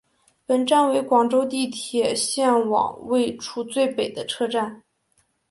本站为广州地铁线网位处最北的车站。